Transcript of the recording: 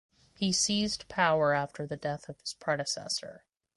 He seized power after the death of his predecessor.